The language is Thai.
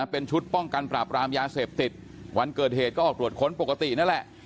เป็นชุดป้องกันปราบรามยาเสพติดวันเกิดเหตุก็ออกตรวจค้นปกตินั่นแหละ